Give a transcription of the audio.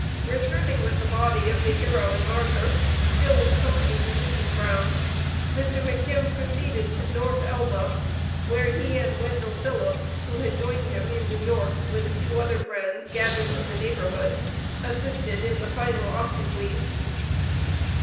Returning with the body of the hero and martyr, still in company with Mrs. Brown, Mr. McKim proceeded to North Elba, where he and Wendell Phillips, who had joined him in New York with a few other friends gathered from the neighborhood, assisted in the final obsequies.